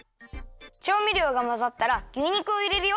ちょうみりょうがまざったら牛肉をいれるよ。